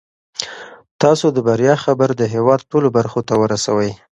تاسو د بریا خبر د هیواد ټولو برخو ته ورسوئ.